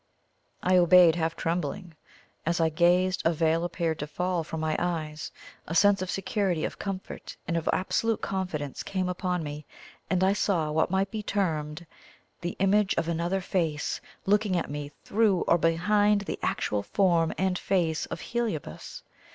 I obeyed, half trembling. As I gazed, a veil appeared to fall from my eyes. A sense of security, of comfort, and of absolute confidence came upon me, and I saw what might be termed THE IMAGE OF ANOTHER FACE looking at me THROUGH or BEHIND the actual form and face of Heliobas.